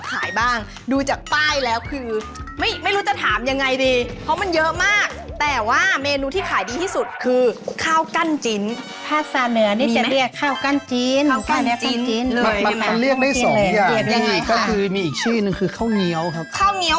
ก็เลยเปิดร้านอาหารเหนือในกรุงเทพฯเลย